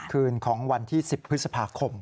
คืนของวันที่๑๐พฤษภาคม